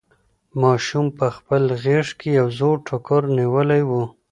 ماشوم په خپله غېږ کې یو زوړ ټوکر نیولی و.